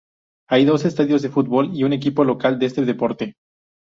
Hay dos estadios de fútbol y un equipo local de este deporte.